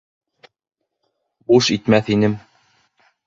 Буш итмәҫ инем...